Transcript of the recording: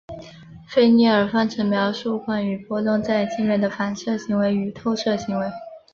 菲涅耳方程描述关于波动在界面的反射行为与透射行为。